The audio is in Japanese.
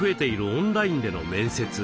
オンラインでの面接。